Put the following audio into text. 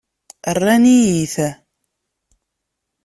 Rran-iyi-t.